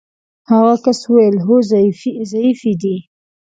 هغه کس وویل: هو ضعیفې دي.